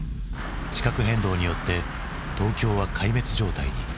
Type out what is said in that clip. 地殻変動によって東京は壊滅状態に。